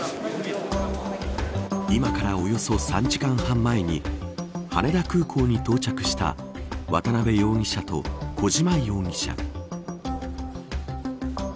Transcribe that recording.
今から、およそ３時間半前に羽田空港に到着した渡辺容疑者と小島容疑者。